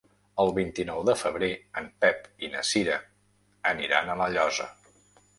El vint-i-nou de febrer en Pep i na Cira aniran a La Llosa.